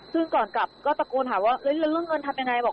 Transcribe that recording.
ซึ่งก่อนกลับก็ตะโกนหาว่าเรื่องเงินทำอย่างไร